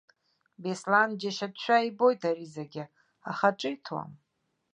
Беслан џьашьатәшәа ибоит ари зегьы, аха ҿиҭуам.